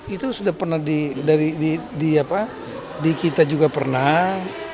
itu sudah pernah di di apa di kita juga pernah